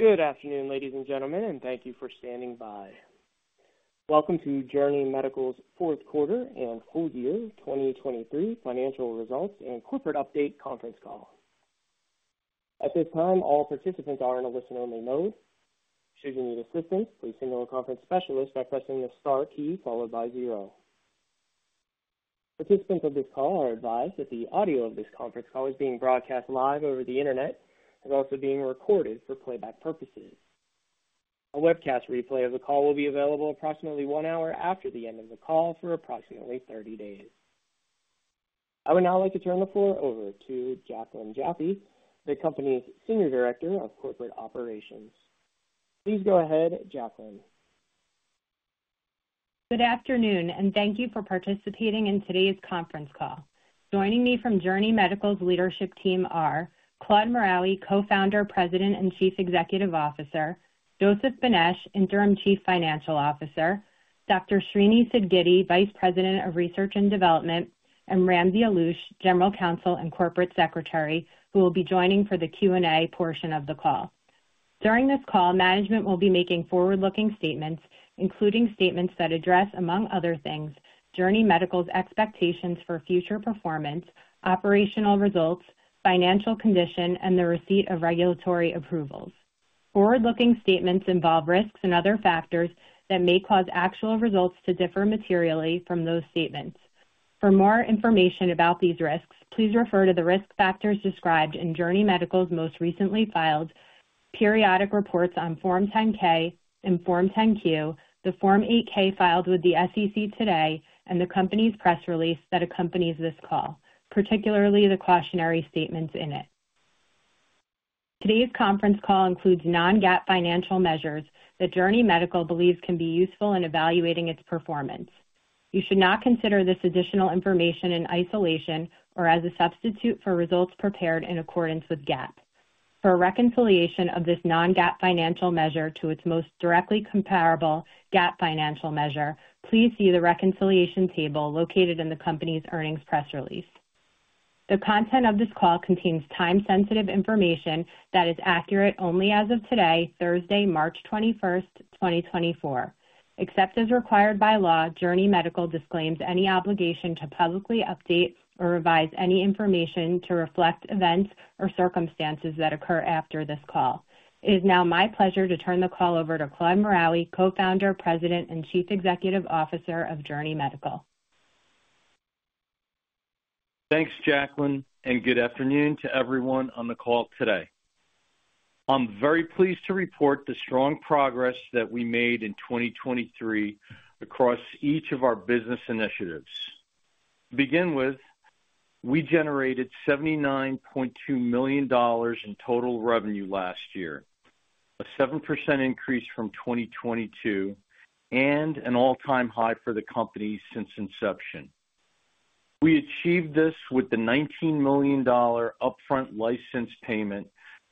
Good afternoon, ladies and gentlemen, and thank you for standing by. Welcome to Journey Medical's fourth quarter and full year 2023 financial results and corporate update conference call. At this time, all participants are in a listen-only mode. Should you need assistance, please signal a conference specialist by pressing the star key followed by zero. Participants of this call are advised that the audio of this conference call is being broadcast live over the internet and also being recorded for playback purposes. A webcast replay of the call will be available approximately one hour after the end of the call for approximately 30 days. I would now like to turn the floor over to Jacqueline Jaffee, the company's Senior Director of Corporate Operations. Please go ahead, Jacqueline. Good afternoon, and thank you for participating in today's conference call. Joining me from Journey Medical's leadership team are Claude Maraoui, Co-founder, President, and Chief Executive Officer; Joseph Benesh, Interim Chief Financial Officer; Dr. Srinivas Sidgiddi, Vice President of Research and Development; and Ramzi Alloush, General Counsel and Corporate Secretary, who will be joining for the Q&A portion of the call. During this call, management will be making forward-looking statements, including statements that address, among other things, Journey Medical's expectations for future performance, operational results, financial condition, and the receipt of regulatory approvals. Forward-looking statements involve risks and other factors that may cause actual results to differ materially from those statements. For more information about these risks, please refer to the risk factors described in Journey Medical's most recently filed periodic reports on Form 10-K and Form 10-Q, the Form 8-K filed with the SEC today, and the company's press release that accompanies this call, particularly the cautionary statements in it. Today's conference call includes Non-GAAP financial measures that Journey Medical believes can be useful in evaluating its performance. You should not consider this additional information in isolation or as a substitute for results prepared in accordance with GAAP. For a reconciliation of this Non-GAAP financial measure to its most directly comparable GAAP financial measure, please see the reconciliation table located in the company's earnings press release. The content of this call contains time-sensitive information that is accurate only as of today, Thursday, March 21st, 2024. Except as required by law, Journey Medical disclaims any obligation to publicly update or revise any information to reflect events or circumstances that occur after this call. It is now my pleasure to turn the call over to Claude Maraoui, Co-founder, President, and Chief Executive Officer of Journey Medical. Thanks, Jacqueline, and good afternoon to everyone on the call today. I'm very pleased to report the strong progress that we made in 2023 across each of our business initiatives. To begin with, we generated $79.2 million in total revenue last year, a 7% increase from 2022 and an all-time high for the company since inception. We achieved this with the $19 million upfront license payment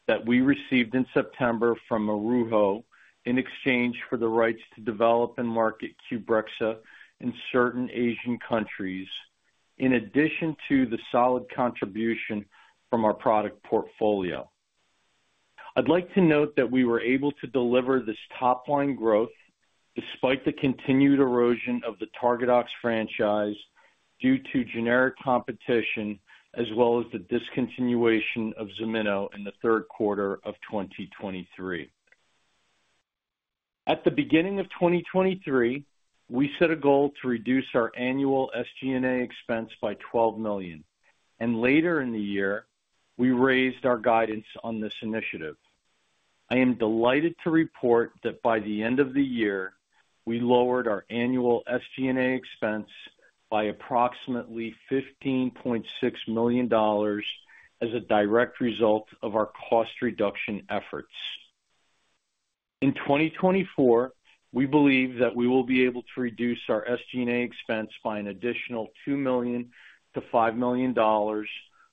that we received in September from Maruho in exchange for the rights to develop and market QBREXZA in certain Asian countries, in addition to the solid contribution from our product portfolio. I'd like to note that we were able to deliver this top line growth despite the continued erosion of the Targadox franchise due to generic competition as well as the discontinuation of Ximino in the third quarter of 2023. At the beginning of 2023, we set a goal to reduce our annual SG&A expense by $12 million, and later in the year, we raised our guidance on this initiative. I am delighted to report that by the end of the year, we lowered our annual SG&A expense by approximately $15.6 million as a direct result of our cost reduction efforts. In 2024, we believe that we will be able to reduce our SG&A expense by an additional $2 million-$5 million,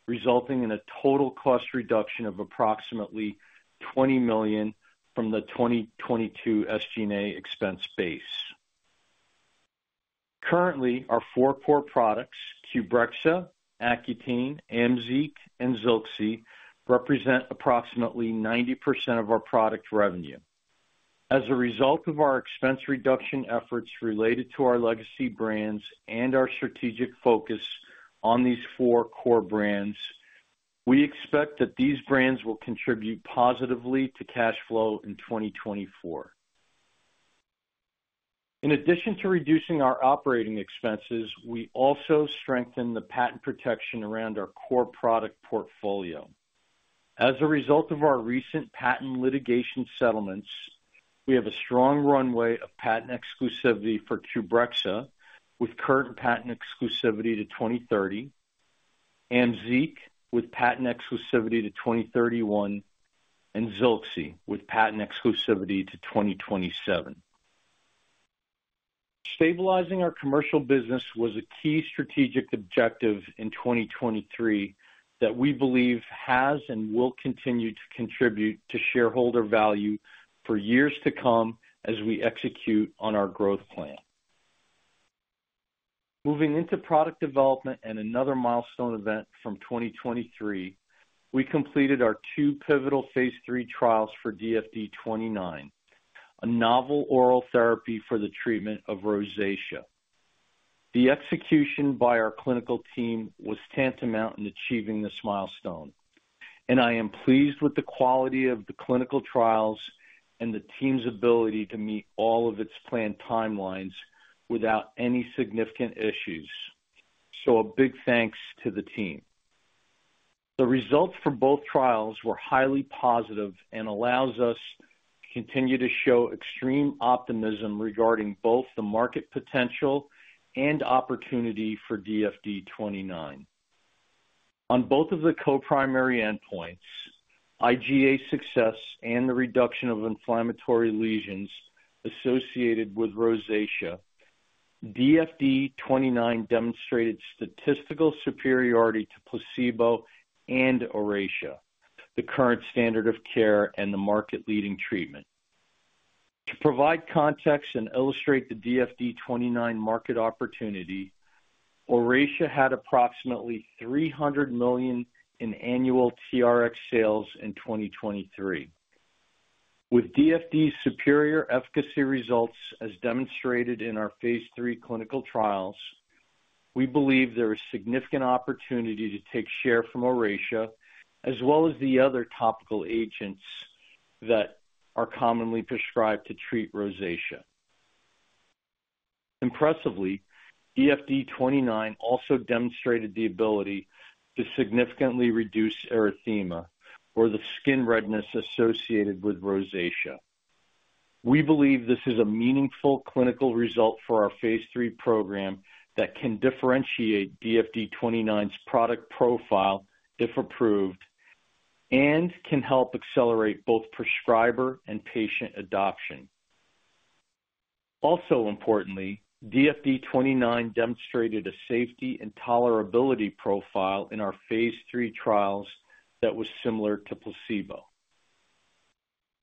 resulting in a total cost reduction of approximately $20 million from the 2022 SG&A expense base. Currently, our four core products, QBREXZA, Accutane, Amzeeq, and Zilxi, represent approximately 90% of our product revenue. As a result of our expense reduction efforts related to our legacy brands and our strategic focus on these four core brands, we expect that these brands will contribute positively to cash flow in 2024. In addition to reducing our operating expenses, we also strengthen the patent protection around our core product portfolio. As a result of our recent patent litigation settlements, we have a strong runway of patent exclusivity for QBREXZA, with current patent exclusivity to 2030, Amzeeq with patent exclusivity to 2031, and Zilxi with patent exclusivity to 2027. Stabilizing our commercial business was a key strategic objective in 2023 that we believe has and will continue to contribute to shareholder value for years to come as we execute on our growth plan.... Moving into product development and another milestone event from 2023, we completed our 2 Phase 3 trials for DFD-29, a novel oral therapy for the treatment of rosacea. The execution by our clinical team was tantamount in achieving this milestone, and I am pleased with the quality of the clinical trials and the team's ability to meet all of its planned timelines without any significant issues. So a big thanks to the team. The results from both trials were highly positive and allows us to continue to show extreme optimism regarding both the market potential and opportunity for DFD-29. On both of the co-primary endpoints, IGA success, and the reduction of inflammatory lesions associated with rosacea, DFD-29 demonstrated statistical superiority to placebo and Oracea, the current standard of care and the market-leading treatment. To provide context and illustrate the DFD-29 market opportunity, Oracea had approximately $300 million in annual XTRTRx sales in 2023. With DFD's superior efficacy results, as demonstrated in Phase 3 clinical trials, we believe there is significant opportunity to take share from Oracea, as well as the other topical agents that are commonly prescribed to treat rosacea. Impressively, DFD-29 also demonstrated the ability to significantly reduce erythema or the skin redness associated with rosacea. We believe this is a meaningful clinical result for Phase 3 program that can differentiate DFD-29's product profile, if approved, and can help accelerate both prescriber and patient adoption. Also importantly, DFD-29 demonstrated a safety and tolerability profile in Phase 3 trials that was similar to placebo.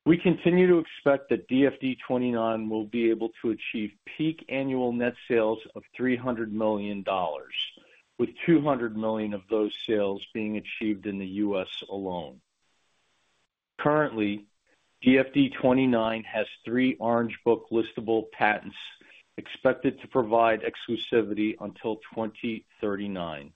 We continue to expect that DFD-29 will be able to achieve peak annual net sales of $300 million, with $200 million of those sales being achieved in the U.S. alone. Currently, DFD-29 has 3 Orange Book listable patents expected to provide exclusivity until 2039.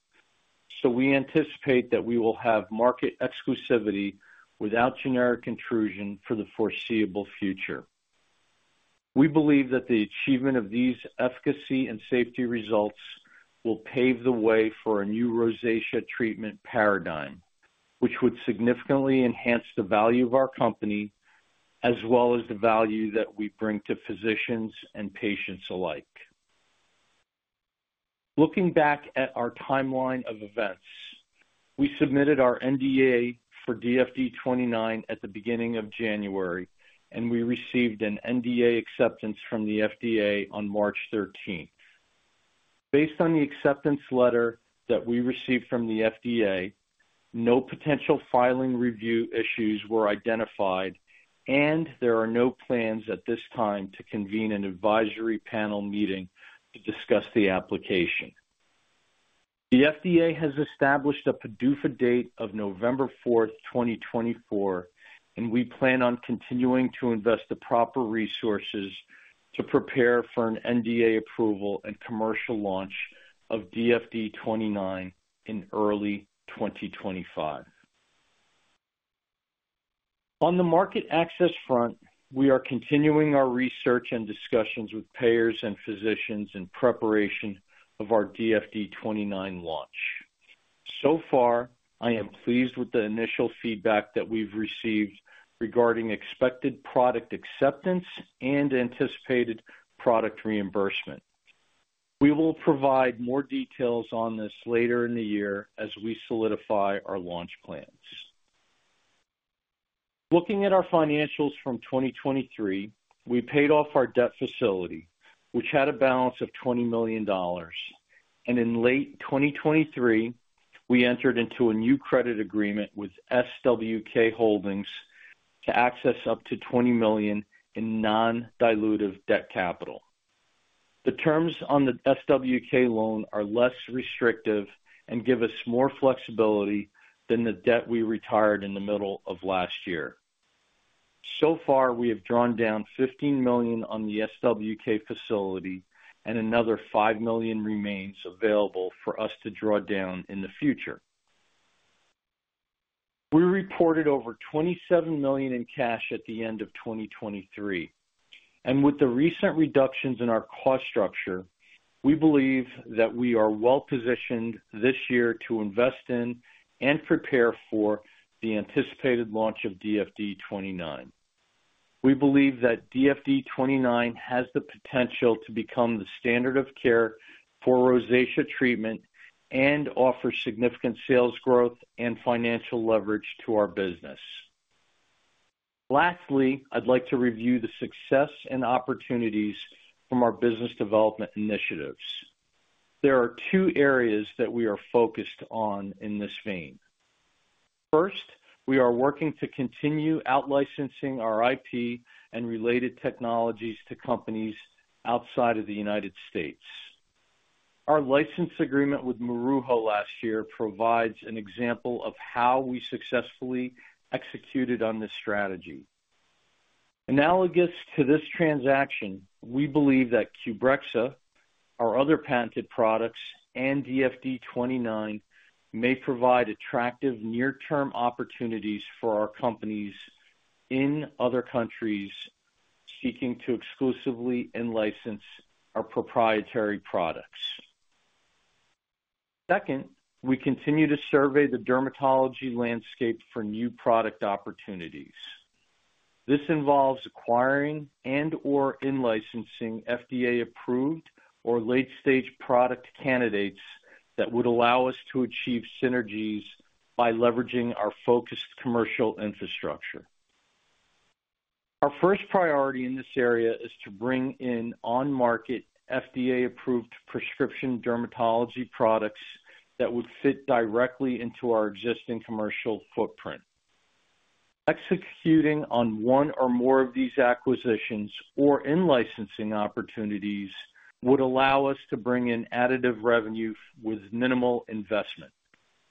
We anticipate that we will have market exclusivity without generic intrusion for the foreseeable future. We believe that the achievement of these efficacy and safety results will pave the way for a new rosacea treatment paradigm, which would significantly enhance the value of our company, as well as the value that we bring to physicians and patients alike. Looking back at our timeline of events, we submitted our NDA for DFD-29 at the beginning of January, and we received an NDA acceptance from the FDA on March thirteenth. Based on the acceptance letter that we received from the FDA, no potential filing review issues were identified, and there are no plans at this time to convene an advisory panel meeting to discuss the application. The FDA has established a PDUFA date of November 4th, 2024, and we plan on continuing to invest the proper resources to prepare for an NDA approval and commercial launch of DFD-29 in early 2025. On the market access front, we are continuing our research and discussions with payers and physicians in preparation of our DFD-29 launch. So far, I am pleased with the initial feedback that we've received regarding expected product acceptance and anticipated product reimbursement. We will provide more details on this later in the year as we solidify our launch plans. Looking at our financials from 2023, we paid off our debt facility, which had a balance of $20 million. In late 2023, we entered into a new credit agreement with SWK Holdings to access up to $20 million in non-dilutive debt capital. The terms on the SWK loan are less restrictive and give us more flexibility than the debt we retired in the middle of last year. So far, we have drawn down $15 million on the SWK facility, and another $5 million remains available for us to draw down in the future. We reported over $27 million in cash at the end of 2023, and with the recent reductions in our cost structure, we believe that we are well positioned this year to invest in and prepare for the anticipated launch of DFD-29. We believe that DFD-29 has the potential to become the standard of care for rosacea treatment and offer significant sales growth and financial leverage to our business. Lastly, I'd like to review the success and opportunities from our business development initiatives. There are two areas that we are focused on in this vein. First, we are working to continue out-licensing our IP and related technologies to companies outside of the United States. Our license agreement with Maruho last year provides an example of how we successfully executed on this strategy. Analogous to this transaction, we believe that QBREXZA, our other patented products, and DFD-29, may provide attractive near-term opportunities for our companies in other countries seeking to exclusively in-license our proprietary products. Second, we continue to survey the dermatology landscape for new product opportunities. This involves acquiring and or in-licensing FDA-approved or late-stage product candidates that would allow us to achieve synergies by leveraging our focused commercial infrastructure. Our first priority in this area is to bring in on-market FDA-approved prescription dermatology products that would fit directly into our existing commercial footprint. Executing on one or more of these acquisitions or in-licensing opportunities would allow us to bring in additive revenue with minimal investment,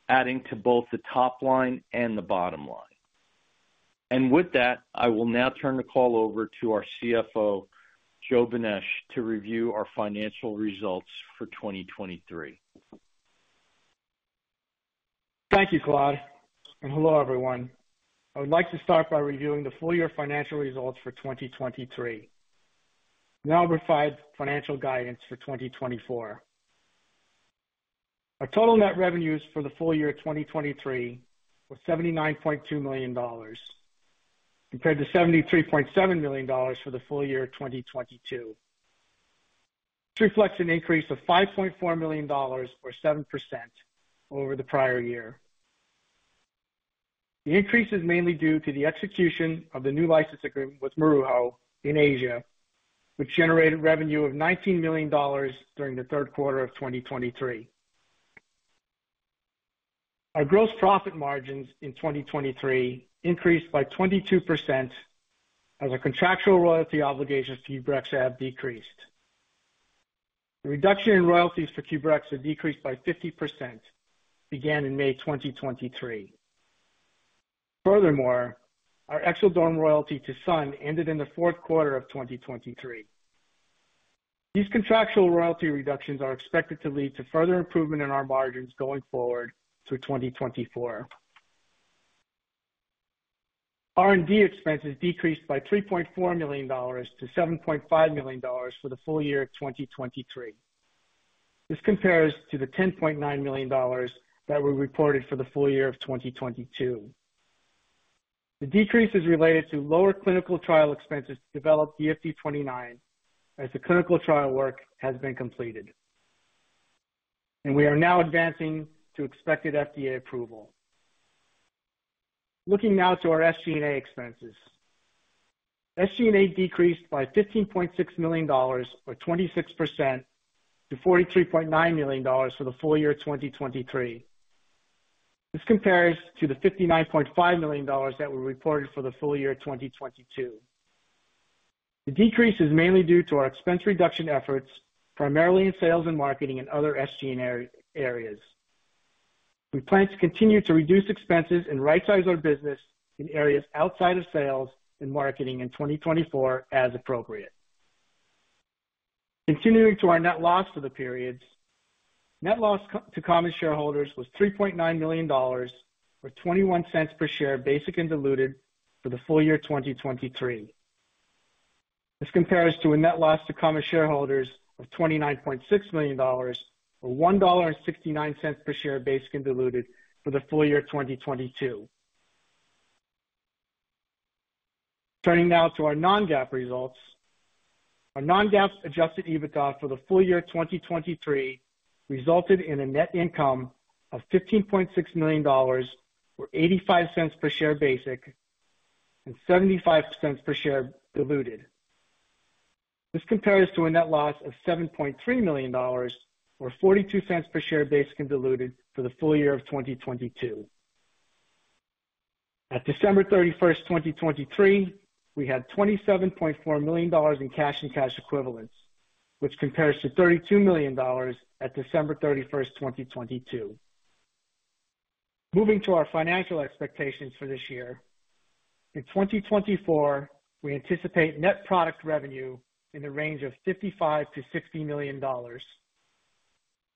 adding to both the top line and the bottom line. With that, I will now turn the call over to our CFO, Joe Benesh, to review our financial results for 2023. Thank you, Claude, and hello, everyone. I would like to start by reviewing the full year financial results for 2023, and then I'll provide financial guidance for 2024. Our total net revenues for the full year 2023 were $79.2 million, compared to $73.7 million for the full year 2022. This reflects an increase of $5.4 million, or 7%, over the prior year. The increase is mainly due to the execution of the new license agreement with Maruho in Asia, which generated revenue of $19 million during the third quarter of 2023. Our gross profit margins in 2023 increased by 22% as our contractual royalty obligations to QBREXZA have decreased. The reduction in royalties for QBREXZA decreased by 50%, began in May 2023. Furthermore, our Exelderm royalty to Sun ended in the fourth quarter of 2023. These contractual royalty reductions are expected to lead to further improvement in our margins going forward through 2024. R&D expenses decreased by $3.4 million to $7.5 million for the full year of 2023. This compares to the $10.9 million that were reported for the full year of 2022. The decrease is related to lower clinical trial expenses to develop DFD-29, as the clinical trial work has been completed, and we are now advancing to expected FDA approval. Looking now to our SG&A expenses. SG&A decreased by $15.6 million, or 26%, to $43.9 million for the full year 2023. This compares to the $59.5 million that were reported for the full year 2022. The decrease is mainly due to our expense reduction efforts, primarily in sales and marketing and other SG&A areas. We plan to continue to reduce expenses and rightsize our business in areas outside of sales and marketing in 2024 as appropriate. Continuing to our net loss for the periods. Net loss to common shareholders was $3.9 million, or $0.21 per share, basic and diluted for the full year 2023. This compares to a net loss to common shareholders of $29.6 million, or $1.69 per share, basic and diluted for the full year 2022. Turning now to our Non-GAAP results. Our Non-GAAP Adjusted EBITDA for the full year 2023 resulted in a net income of $15.6 million, or $0.85 per share basic and $0.75 per share diluted. This compares to a net loss of $7.3 million, or 42 cents per share, basic and diluted for the full year of 2022. At December 31st, 2023, we had $27.4 million in cash and cash equivalents, which compares to $32 million at December 31, 2022. Moving to our financial expectations for this year. In 2024, we anticipate net product revenue in the range of $55-$60 million.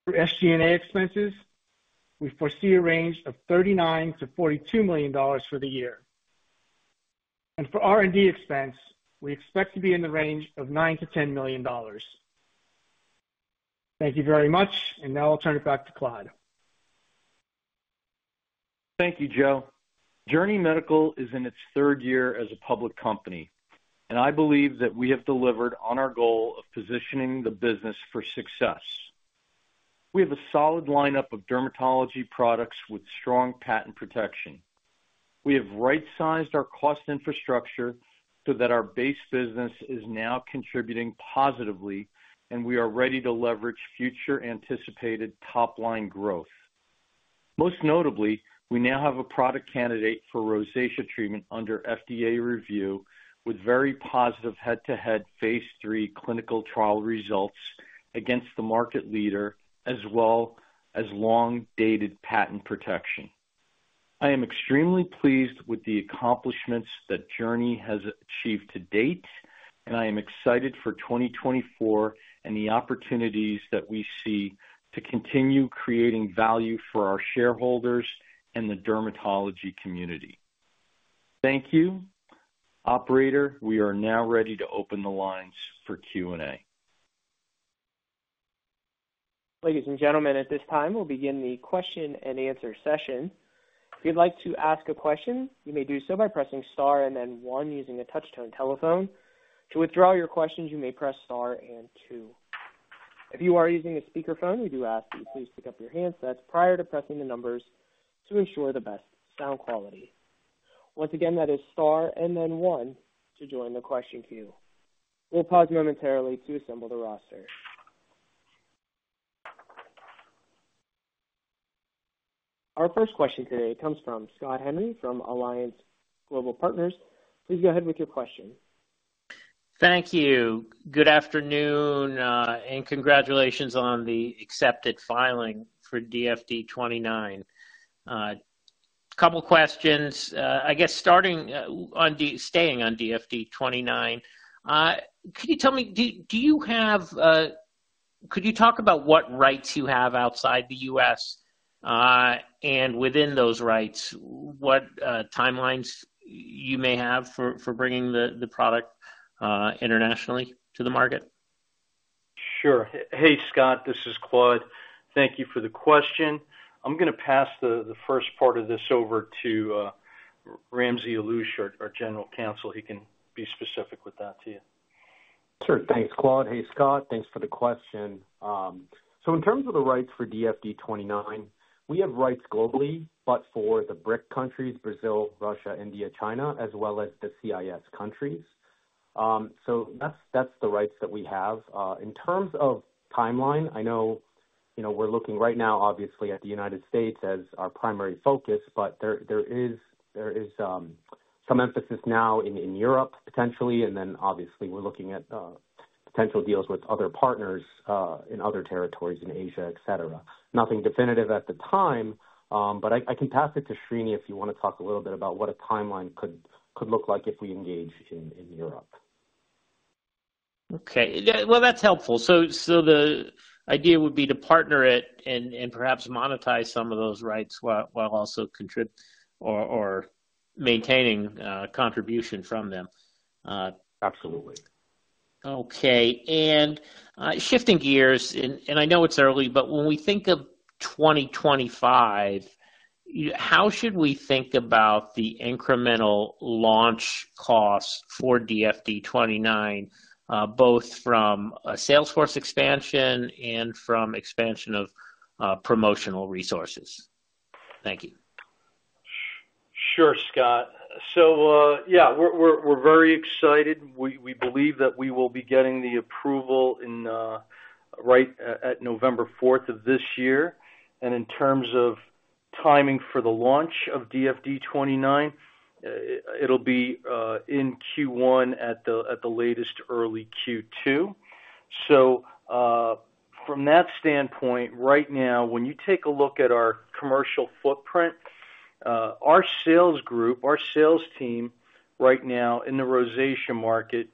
For SG&A expenses, we foresee a range of $39-$42 million for the year. For R&D expense, we expect to be in the range of $9-$10 million. Thank you very much, and now I'll turn it back to Claude. Thank you, Joe. Journey Medical is in its third year as a public company, and I believe that we have delivered on our goal of positioning the business for success. We have a solid lineup of dermatology products with strong patent protection. We have right-sized our cost infrastructure so that our base business is now contributing positively, and we are ready to leverage future anticipated top-line growth. Most notably, we now have a product candidate for rosacea treatment under FDA review, with very positive Phase 3 clinical trial results against the market leader, as well as long-dated patent protection. I am extremely pleased with the accomplishments that Journey has achieved to date, and I am excited for 2024 and the opportunities that we see to continue creating value for our shareholders and the dermatology community. Thank you. Operator, we are now ready to open the lines for Q&A. Ladies and gentlemen, at this time, we'll begin the question-and-answer session. If you'd like to ask a question, you may do so by pressing Star and then one using a touch-tone telephone. To withdraw your questions, you may press Star and two. If you are using a speakerphone, we do ask that you please pick up your handsets prior to pressing the numbers to ensure the best sound quality. Once again, that is Star and then one to join the question queue. We'll pause momentarily to assemble the roster. Our first question today comes from Scott Henry from Alliance Global Partners. Please go ahead with your question. Thank you. Good afternoon, and congratulations on the accepted filing for DFD-29. A couple questions. I guess, starting on, staying on DFD-29, could you tell me, do you have... Could you talk about what rights you have outside the U.S., and within those rights, what timelines you may have for bringing the product internationally to the market? Sure. Hey, Scott, this is Claude. Thank you for the question. I'm gonna pass the first part of this over to Ramzi Allouch, our General Counsel. He can be specific with that to you. Sure. Thanks, Claude. Hey, Scott. Thanks for the question. So in terms of the rights for DFD-29, we have rights globally, but for the BRIC countries, Brazil, Russia, India, China, as well as the CIS countries. So that's, that's the rights that we have. In terms of timeline, I know, you know, we're looking right now, obviously, at the United States as our primary focus, but there, there is, there is, some emphasis now in, in Europe, potentially, and then obviously we're looking at, potential deals with other partners, in other territories in Asia, et cetera. Nothing definitive at the time, but I can pass it to Srini if you wanna talk a little bit about what a timeline could, could look like if we engage in, in Europe. Okay. Yeah, well, that's helpful. So the idea would be to partner it and perhaps monetize some of those rights, while also or maintaining contribution from them. Absolutely. Okay. And, shifting gears, and I know it's early, but when we think of 2025, how should we think about the incremental launch costs for DFD-29, both from a sales force expansion and from expansion of promotional resources? Thank you. Sure, Scott. So, yeah, we're, we're, we're very excited. We believe that we will be getting the approval in right at November fourth of this year. And in terms of timing for the launch of DFD-29, it'll be in Q1 at the latest, early Q2. So, from that standpoint, right now, when you take a look at our commercial footprint, our sales group, our sales team right now in the rosacea market,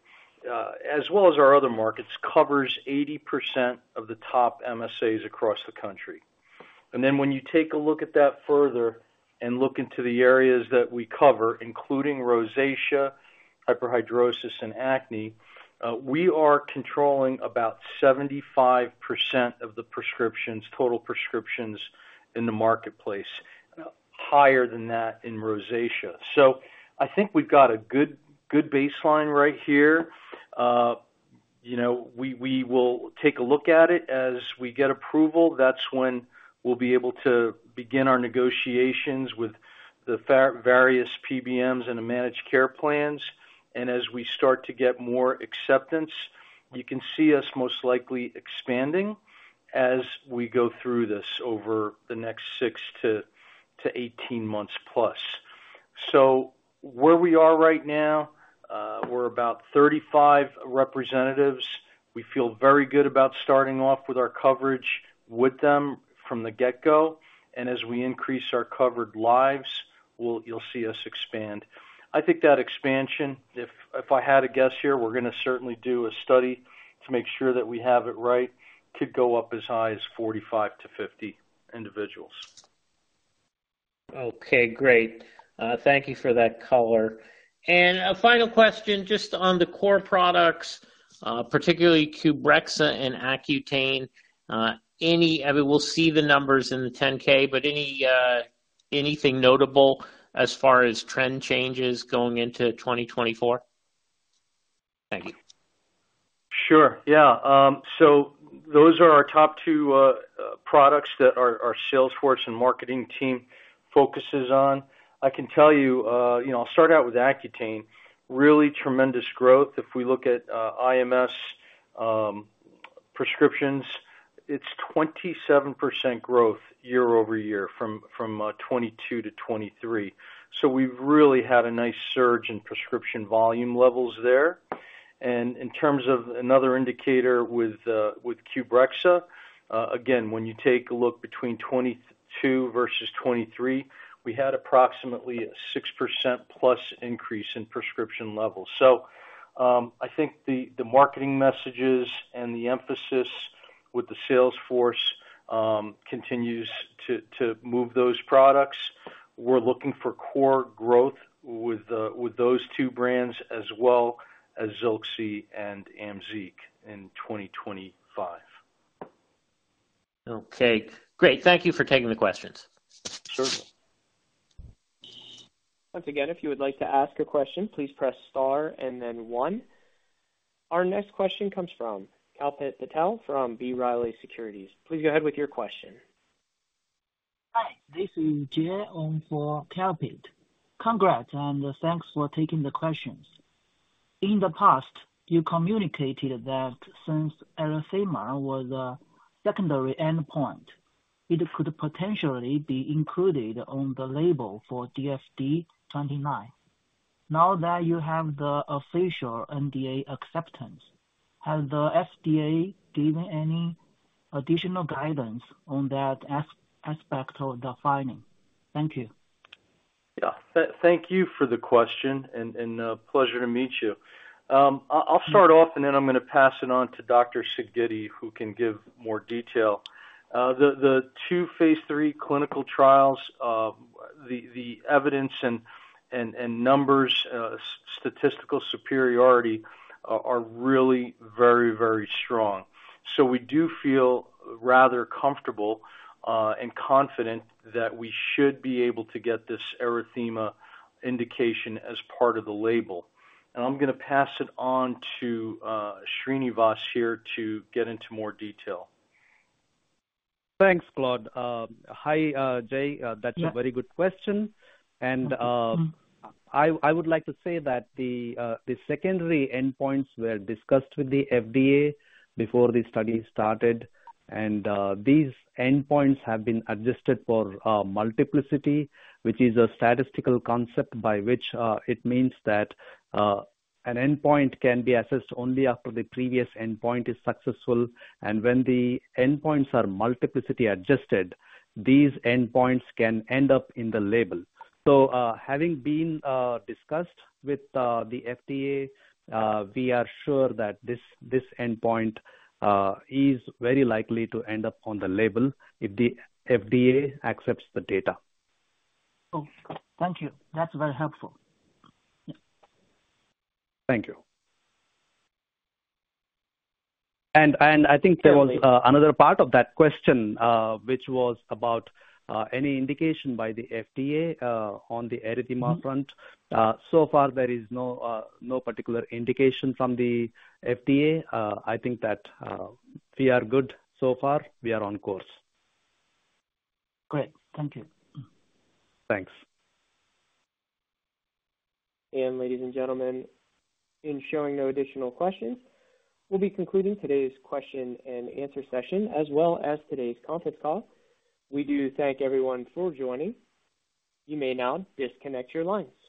as well as our other markets, covers 80% of the top MSAs across the country. And then when you take a look at that further and look into the areas that we cover, including rosacea, hyperhidrosis, and acne, we are controlling about 75% of the prescriptions, total prescriptions in the marketplace, higher than that in rosacea. So I think we've got a good, good baseline right here. You know, we will take a look at it as we get approval. That's when we'll be able to begin our negotiations with the various PBMs and the managed care plans. And as we start to get more acceptance, you can see us most likely expanding as we go through this over the next six to 18-months plus. So where we are right now, we're about 35 representatives. We feel very good about starting off with our coverage with them from the get-go, and as we increase our covered lives, you'll see us expand. I think that expansion, if I had to guess here, we're gonna certainly do a study to make sure that we have it right, could go up as high as 45-50 individuals. Okay, great. Thank you for that color. And a final question, just on the core products, particularly QBREXZA and Accutane. Any... I mean, we'll see the numbers in the 10-K, but any, anything notable as far as trend changes going into 2024? Thank you. Sure. Yeah, so those are our top two products that our sales force and marketing team focuses on. I can tell you, you know, I'll start out with Accutane. Really tremendous growth. If we look at IMS prescriptions, it's 27% growth year-over-year from 2022 to 2023. So we've really had a nice surge in prescription volume levels there. And in terms of another indicator with QBREXZA, again, when you take a look between 2022 versus 2023, we had approximately a 6%+ increase in prescription levels. So I think the marketing messages and the emphasis with the sales force continues to move those products. We're looking for core growth with those two brands as well as Zilxi and Amzeeq in 2025. Okay, great. Thank you for taking the questions. Sure. Once again, if you would like to ask a question, please press star and then 1. Our next question comes from Kalpit Patel from B. Riley Securities. Please go ahead with your question. Hi, this is Jay on for Kalpit. Congrats, and thanks for taking the questions. In the past, you communicated that since erythema was a secondary endpoint, it could potentially be included on the label for DFD-29. Now that you have the official NDA acceptance, has the FDA given any additional guidance on that aspect of the finding? Thank you. Yeah. Thank you for the question and pleasure to meet you. I'll start off, and then I'm gonna pass it on to Dr. Sidgiddi, who can give more detail. The Phase 3 clinical trials, the evidence and numbers, statistical superiority are really very, very strong. So we do feel rather comfortable and confident that we should be able to get this erythema indication as part of the label. I'm gonna pass it on to Srinivas here to get into more detail. Thanks, Claude. Hi, Jay. That's a very good question. I would like to say that the secondary endpoints were discussed with the FDA before the study started, and these endpoints have been adjusted for multiplicity, which is a statistical concept by which it means that an endpoint can be assessed only after the previous endpoint is successful. And when the endpoints are multiplicity adjusted, these endpoints can end up in the label. So, having been discussed with the FDA, we are sure that this endpoint is very likely to end up on the label if the FDA accepts the data. Oh, thank you. That's very helpful. Thank you. And I think there was another part of that question, which was about any indication by the FDA on the erythema front. So far there is no particular indication from the FDA. I think that we are good so far. We are on course. Great. Thank you. Thanks. Ladies and gentlemen, in showing no additional questions, we'll be concluding today's question and answer session, as well as today's conference call. We do thank everyone for joining. You may now disconnect your lines.